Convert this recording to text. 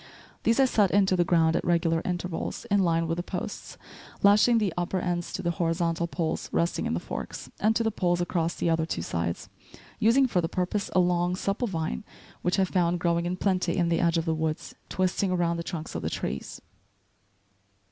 These I set into the ground at regular intervals, in line with the posts, lashing the upper ends to the horizontal poles resting in the forks, and to the poles across the other two sides, using for the purpose a long, supple vine which I found growing in plenty in the edge of the woods, twisting around the trunks of the trees.